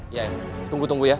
iya tunggu tunggu ya